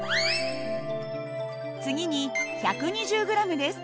次に１２０ｇです。